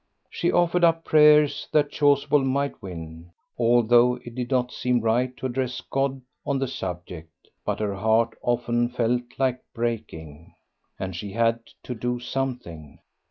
She offered up prayers that Chasuble might win, although it did not seem right to address God on the subject, but her heart often felt like breaking, and she had to do something.